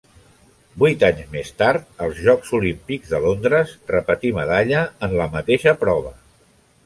Vuit anys més tard, als Jocs Olímpics de Londres, repetí medalla en la mateixa prova.